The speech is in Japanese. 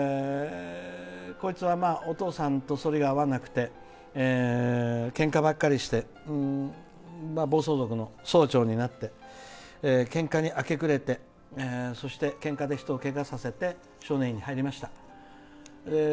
こいつはお父さんと反りが合わなくてけんかばっかりして暴走族の総長になってけんかに明け暮れてそして、けんかで人をけがさせて少年院に入りました。